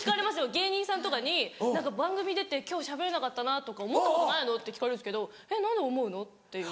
芸人さんとかに何か「番組出て今日しゃべれなかったなとか思ったことないの？」って聞かれるんですけどえっ何で思うの？っていう。